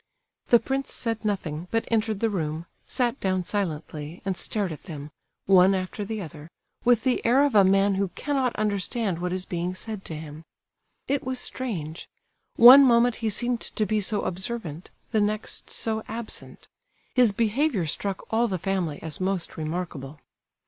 The prince said nothing, but entered the room, sat down silently, and stared at them, one after the other, with the air of a man who cannot understand what is being said to him. It was strange—one moment he seemed to be so observant, the next so absent; his behaviour struck all the family as most remarkable.